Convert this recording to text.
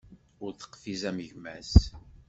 Ur teqfiz am gma-s.